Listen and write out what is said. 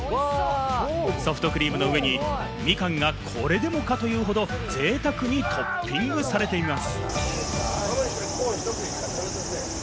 ソフトクリームの上に、みかんがこれでもか！というほど贅沢にトッピングされています。